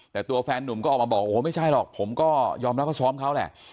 แต่ตัวแฟนนุ่มก็ออกมาบอกโอ้โหไม่ใช่หรอกผมก็ยอมรับว่าซ้อมเขาแหละ